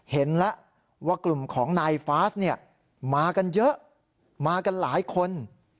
เห็นแล้วว่ากลุ่มของนายฟาสเนี่ยมากันเยอะมากันหลายคน